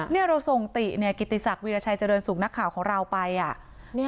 เนี่ยเราส่งติเนี่ยกิติศักดิ์วีรชัยเจริญสูงนักข่าวของเราไปอ่ะ